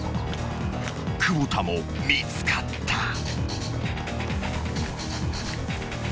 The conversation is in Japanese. ［久保田も見つかった］